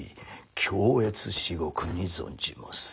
恐悦至極に存じます。